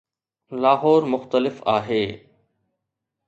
لاهور مختلف آهي.